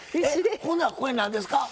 ほなこれ何ですか？